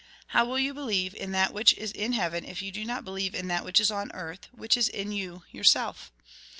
How will you believe in that which is in heaven if you do not believe in that which is on earth, which is in you yourself